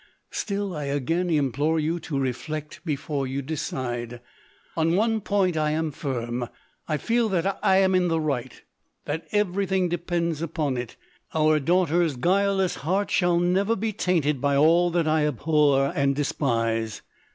Still I again implore you to reflect before you decide. On one point I am firm — I feel that I am in the right— that every thing de pends upon it. Our daughter's guileless heart shall never be tainted by all that I abhor and despise.